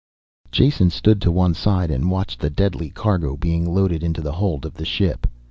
Jason stood to one side and watched the deadly cargo being loaded into the hold of the ship.